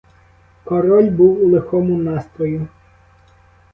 Король був у лихому настрою.